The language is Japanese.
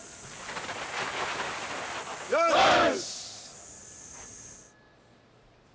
よし！